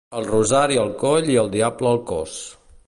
El rosari al coll i el diable al cos.